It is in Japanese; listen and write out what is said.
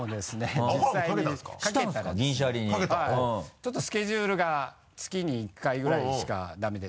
ちょっとスケジュールが月に１回ぐらいしかダメで。